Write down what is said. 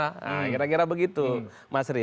nah kira kira begitu mas riri